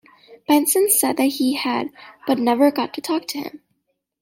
Benson said that he had, but never got to talk to him.